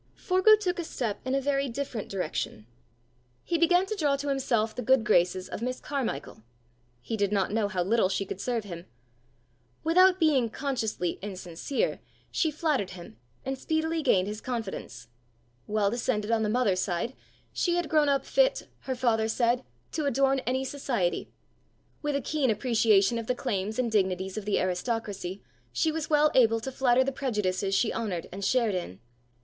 Forgue took a step in a very different direction: he began to draw to himself the good graces of Miss Carmichael: he did not know how little she could serve him. Without being consciously insincere, she flattered him, and speedily gained his confidence. Well descended on the mother side, she had grown up fit, her father said, to adorn any society: with a keen appreciation of the claims and dignities of the aristocracy, she was well able to flatter the prejudices she honoured and shared in.